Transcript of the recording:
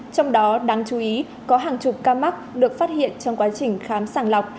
trong đó đáng chú ý có hàng chục ca mắc được phát hiện trong quá trình khám sàng lọc